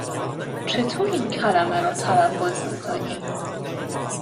چطور این کلمه را تلفظ می کنی؟